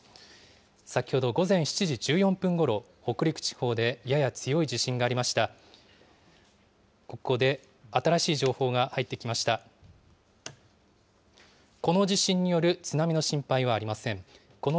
先ほど午前７時１４分ごろ、北陸地方でやや強い地震がありました。